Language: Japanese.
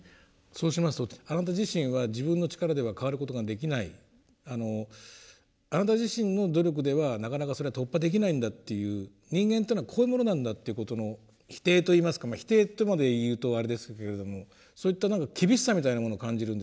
そうしますとあなた自身は自分の力では変わることができないあなた自身の努力ではなかなかそれは突破できないんだという人間というのはこういうものなんだということの否定といいますかまあ否定とまで言うとあれですけれどもそういった何か厳しさみたいなものを感じるんですがそこはいかがでしょう。